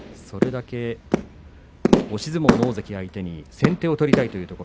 押し相撲の大関相手に先手を取りたい高安。